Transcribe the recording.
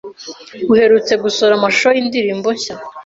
uherutse gusohora amashusho y’indirimbo nshya